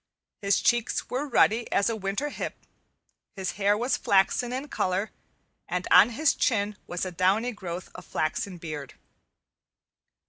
His cheeks were ruddy as a winter hip, his hair was flaxen in color, and on his chin was a downy growth of flaxen beard.